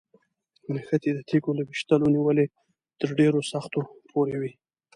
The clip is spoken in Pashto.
نښتې د تیږو له ویشتلو نیولې تر ډېرو سختو پورې وي.